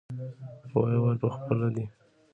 ويې ويل پخپله دى.